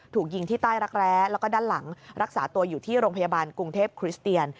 ถูกยิงที่ใต้รักแร้แล้วก็ด้านหลังรักษาตัวอยู่ที่โรงพยาบาลกรุงเทพคริสเตียน